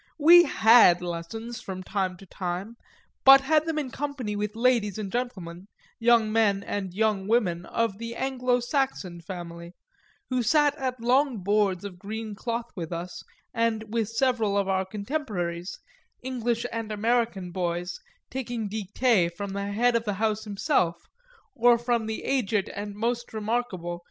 We had lessons from time to time, but had them in company with ladies and gentlemen, young men and young women of the Anglo Saxon family, who sat at long boards of green cloth with us and with several of our contemporaries, English and American boys, taking dictées from the head of the house himself or from the aged and most remarkable M.